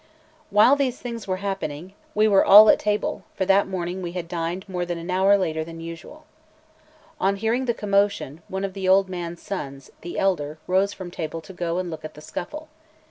XLVIII WHILE these things were happening, we were all at table; for that morning we had dined more than an hour later than usual. On hearing the commotion, one of the old man's sons, the elder, rose from table to go and look at the scuffle.